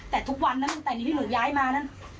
แต่ทุกวันนั้นตั้งแต่นี้ที่หนูย้ายมานั้น